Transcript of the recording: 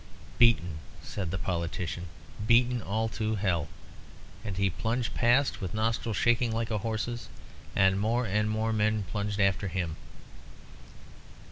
"Beaten," said the politician "beaten all to hell!" And he plunged past with nostrils shaking like a horse's, and more and more men plunged after him.